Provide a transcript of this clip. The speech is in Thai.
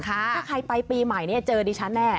ถ้าใครไปปีใหม่เจอดิฉันแน่